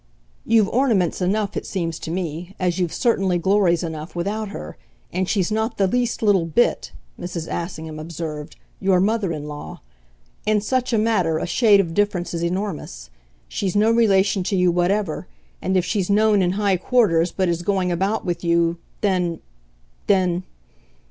"You've ornaments enough, it seems to me as you've certainly glories enough without her. And she's not the least little bit," Mrs. Assingham observed, "your mother in law. In such a matter a shade of difference is enormous. She's no relation to you whatever, and if she's known in high quarters but as going about with you, then then